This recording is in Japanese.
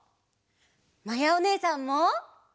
まやおねえさんも。